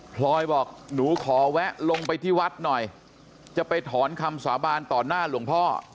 พลอยบอกหนูขอแวะลงไปที่วัดหน่อยจะไปถอนคำสาบานต่อหน้าหลวงพ่อ